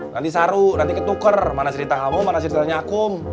nanti saru nanti ketuker mana cerita kamu mana ceritanya aku